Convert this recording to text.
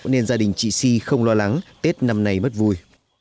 nên gia đình chị si không lo lắng tết năm nay mất vui